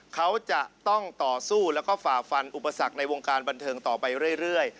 เขาจะต้องต่อสู้แล้วก็ฝ่าฟันอุปสรรคในวงการบันเทิงต่อไปเรื่อย